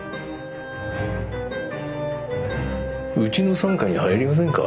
うちの傘下に入りませんか？